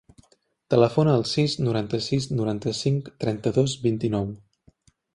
Telefona al sis, noranta-sis, noranta-cinc, trenta-dos, vint-i-nou.